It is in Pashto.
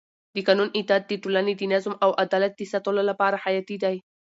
د قانون اطاعت د ټولنې د نظم او عدالت د ساتلو لپاره حیاتي دی